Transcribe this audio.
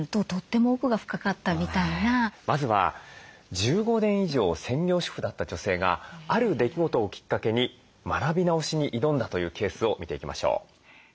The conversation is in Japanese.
まずは１５年以上専業主婦だった女性がある出来事をきっかけに学び直しに挑んだというケースを見ていきましょう。